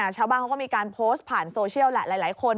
ชาวบ้านเขาก็มีการโพสต์ผ่านโซเชียลแหละหลายคน